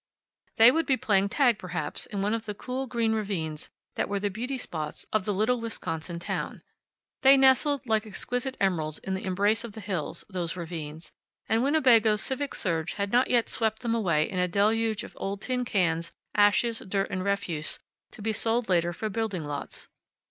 They would be playing tag, perhaps, in one of the cool, green ravines that were the beauty spots of the little Wisconsin town. They nestled like exquisite emeralds in the embrace of the hills, those ravines, and Winnebago's civic surge had not yet swept them away in a deluge of old tin cans, ashes, dirt and refuse, to be sold later for building lots.